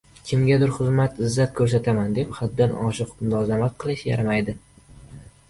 – kimgadir hurmat-izzat ko‘rsataman deb haddan oshiq mulozamat qilish yaramaydi;